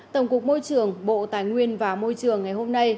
tổng cục môi trường bộ tài nguyên và môi trường ngày hôm nay